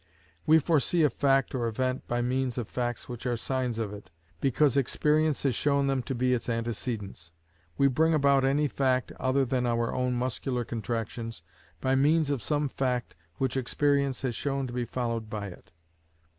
We foresee a fact or event by means of facts which are signs of it, because experience has shown them to be its antecedents. We bring about any fact, other than our own muscular contractions, by means of some fact which experience has shown to be followed by it.